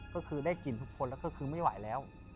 ก็คือได้กลิ่นทุกคนแล้วก็คือไม่ไหวแล้ว